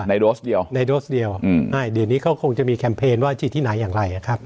ในโดสดีเดียวให้เดี๋ยวนี้เขาคงจะมีแคมเปญว่าที่ที่ไหนอย่างไรครับ